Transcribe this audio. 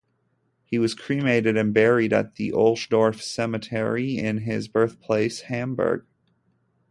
He was cremated and buried at the Ohlsdorf cemetery in his birthplace Hamburg.